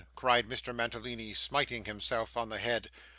cried Mr. Mantalini, smiting himself on the head.